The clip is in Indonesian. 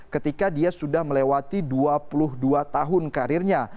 ketika dia sudah melewati dua puluh dua tahun karirnya